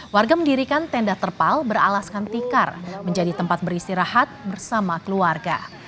warga mendirikan tenda terpal beralaskan tikar menjadi tempat beristirahat bersama keluarga